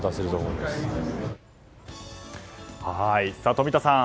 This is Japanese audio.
冨田さん